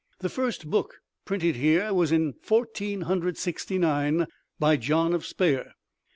The first book printed here was in Fourteen Hundred Sixty nine, by John of Speyer.